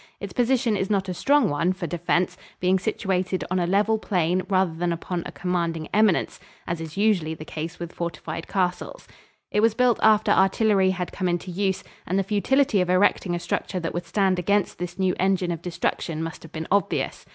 Its position is not a strong one for defense, being situated on a level plain rather than upon a commanding eminence, as is usually the case with fortified castles. It was built after artillery had come into use, and the futility of erecting a structure that would stand against this new engine of destruction must have been obvious.